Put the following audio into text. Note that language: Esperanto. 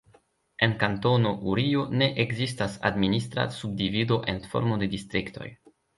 En Kantono Urio ne ekzistas administra subdivido en formo de distriktoj.